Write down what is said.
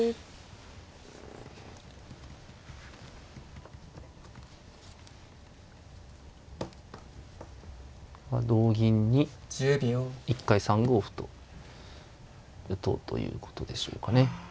ここは同銀に一回３五歩と打とうということでしょうかね。